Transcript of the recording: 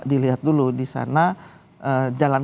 dilihat dulu di sana jalan